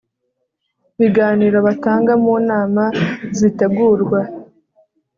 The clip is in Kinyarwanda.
biganiro batanga mu nama zitegurwa